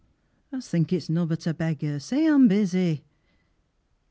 I's think it's nobbut a beggar, Say, I'm busy.